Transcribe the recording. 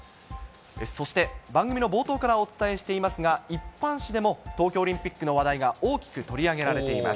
そして、番組の冒頭からお伝えしていますが、一般紙でも東京オリンピックの話題が大きく取り上げられています。